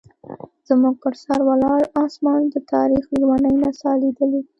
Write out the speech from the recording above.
زموږ پر سر ولاړ اسمان د تاریخ لیونۍ نڅا لیدلې.